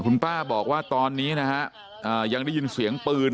คุณป้าบอกว่าตอนนี้นะฮะยังได้ยินเสียงปืน